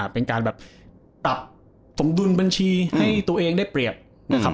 เป็นการแบบปรับสมดุลบัญชีให้ตัวเองได้เปรียบนะครับ